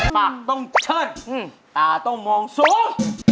ปากต้องเชิดตาต้องมองสูง